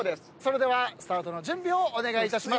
ではスタートの準備をお願いします。